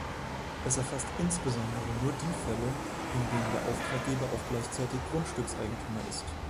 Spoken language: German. Es erfasst insbesondere nur die Fälle, in denen der Auftraggeber auch gleichzeitig Grundstückseigentümer ist.